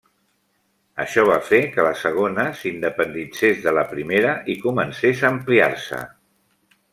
Això va fer que la segona s'independitzés de la primera, i comencés a ampliar-se.